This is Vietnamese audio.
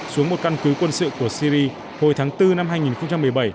xuống một căn cứ quân sự của syri hồi tháng bốn năm hai nghìn một mươi bảy